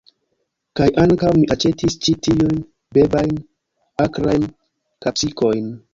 Kaj ankaŭ, mi aĉetis ĉi tiujn bebajn akrajn kapsikojn.